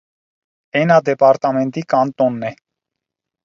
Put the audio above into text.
Էնա դեպարտամենտի կանտոնն է։